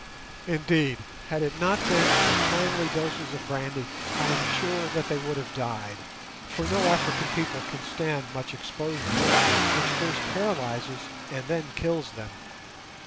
Indeed, had it not been for timely doses of brandy I am sure that they would have died, for no African people can stand much exposure, which first paralyses and then kills them.